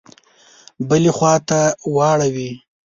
بلي خواته واړوي.